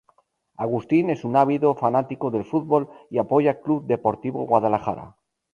Agustín es un ávido fanático del fútbol y apoya Club Deportivo Guadalajara.